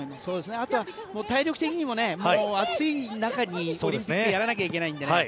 あとは体力的にも暑い中でオリンピックはやらなきゃいけないのでね